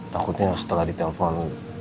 takutnya setelah di telepon